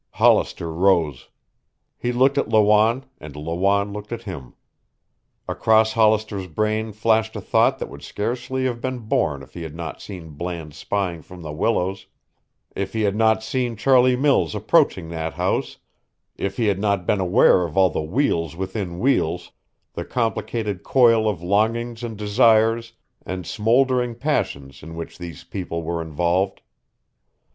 Hollister rose. He looked at Lawanne and Lawanne looked at him. Across Hollister's brain flashed a thought that would scarcely have been born if he had not seen Bland spying from the willows, if he had not seen Charlie Mills approaching that house, if he had not been aware of all the wheels within wheels, the complicated coil of longings and desires and smoldering passions in which these people were involved.